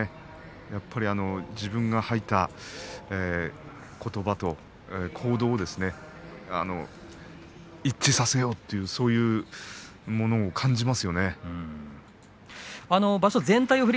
やっぱり自分が吐いたことばと行動を一致させようというそういうものを感じますよね。